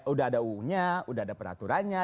udah ada uu nya udah ada peraturannya